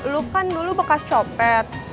lu kan dulu bekas copet